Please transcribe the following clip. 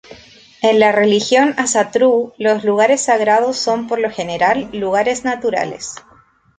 En la religión Ásatrú, los lugares sagrados son por lo general lugares naturales.